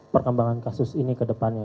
perkembangan kasus ini ke depannya